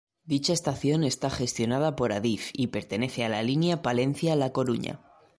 Dicha estación está gestionada por Adif, y pertenece a la línea Palencia-La Coruña.